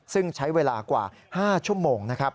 ซึ่งใช้เวลากว่า๕ชั่วโมง